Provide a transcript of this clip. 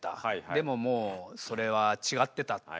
でももうそれは違ってたと。